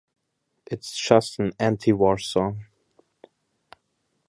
It's just an anti-war song.